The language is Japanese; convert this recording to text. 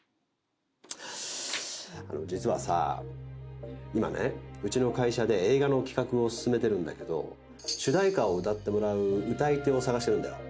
あの実はさ今ねうちの会社で映画の企画を進めてるんだけど主題歌を歌ってもらう歌い手を探してるんだよ